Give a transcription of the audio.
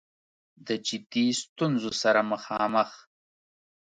د جدي ستونځو سره مخامخ